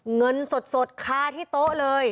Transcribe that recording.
เงินสดคาที่โต๊ะเลย